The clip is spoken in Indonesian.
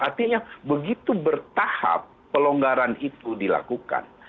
artinya begitu bertahap pelonggaran itu dilakukan